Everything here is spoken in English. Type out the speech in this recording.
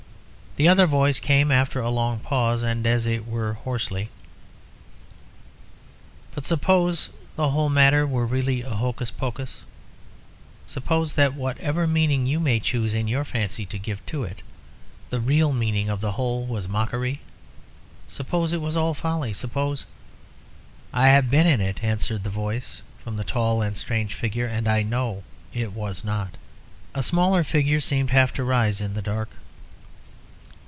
The other voice came after a long pause, and as it were hoarsely. "But suppose the whole matter were really a hocus pocus. Suppose that whatever meaning you may choose in your fancy to give to it, the real meaning of the whole was mockery. Suppose it was all folly. Suppose " "I have been in it," answered the voice from the tall and strange figure, "and I know it was not." A smaller figure seemed half to rise in the dark.